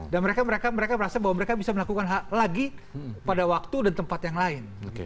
dan mereka merasa bahwa mereka bisa melakukan lagi pada waktu dan tempat yang lain